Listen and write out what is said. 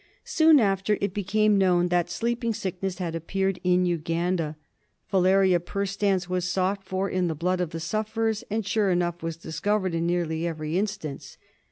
Soon after it became known that Sleeping Sickness had appeared in Uganda, Filaria perstans was sought for in the blood of the sufferers, and, sure enough, was discovered in nearly every instance.